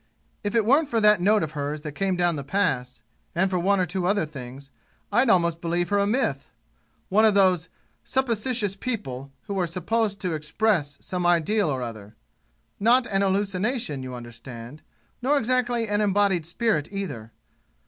"If it weren't for that note of hers that came down the Pass, and for one or two other things, I'd almost believe her a myth one of those supposititious people who are supposed to express some ideal or other. Not an hallucination, you understand nor exactly an embodied spirit, either.